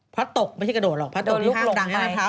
พระตกไม่ใช่กระโดดหรอกพระตกที่ห้างดังนะคะ